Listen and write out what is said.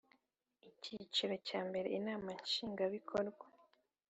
Icyiciro cya mbere Inama Nshingwabikorwa